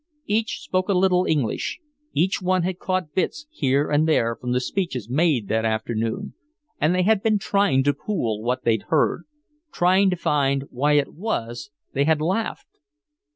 Each spoke a little English, each one had caught bits here and there from the speeches made that afternoon and they had been trying to pool what they'd heard, trying to find why it was they had laughed.